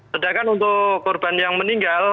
sedangkan untuk korban yang meninggal